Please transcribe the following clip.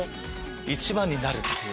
１番になるっていう。